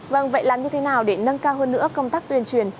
vâng vậy làm như thế nào để nâng cao hơn nữa công tác tuyên truyền